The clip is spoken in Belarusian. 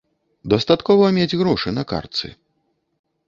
Дастаткова мець грошы на картцы.